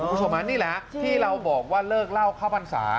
นี่แหละที่เราบอกว่าเลิกเล่าข้าวปัญสา